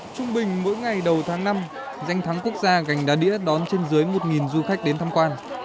trung bình mỗi ngày đầu tháng năm danh thắng quốc gia gành đá đĩa đón trên dưới một du khách đến thăm quan